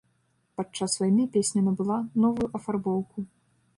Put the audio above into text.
Падчас вайны песня набыла новую афарбоўку.